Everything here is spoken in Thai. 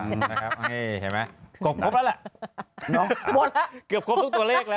เออนะครับเห็นไหมเกือบครบแล้วแหละเนาะหมดแล้วเกือบครบทุกตัวเลขแล้ว